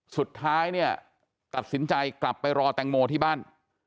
สุดท้ายเนี่ยตัดสินใจกลับไปรอแตงโมที่บ้าน